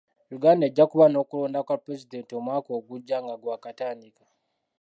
Uganda ejja kuba n'okulonda kwa pulezidenti omwaka ogujja nga gwakatandika.